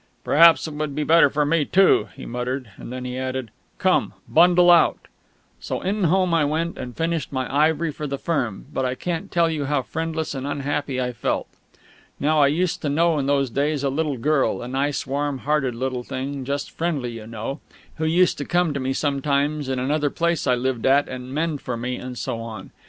"Perhaps it would be better for me too," he muttered; and then he added, "Come, bundle out!" So in home I went, and finished my ivory for the firm; but I can't tell you how friendless and unhappy I felt. Now I used to know in those days a little girl a nice, warm hearted little thing, just friendly you know, who used to come to me sometimes in another place I lived at and mend for me and so on.